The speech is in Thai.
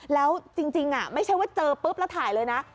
แล้วจริงไม่ใช่ว่าเจอปุ๊บแล้วถ่ายเลยนะ